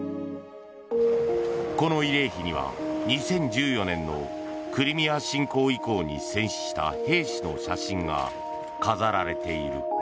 この慰霊碑には２０１４年のクリミア侵攻以降に戦死した兵士の写真が飾られている。